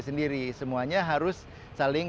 sendiri semuanya harus saling